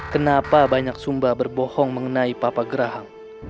kenapa banyak sumbah berbohong mengenai papa gerahang